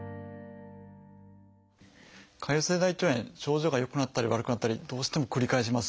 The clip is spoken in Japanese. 潰瘍性大腸炎症状が良くなったり悪くなったりどうしても繰り返します。